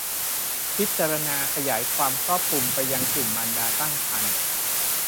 พิจารณาขยายความครอบคลุมไปยังกลุ่มมารดาตั้งครรภ์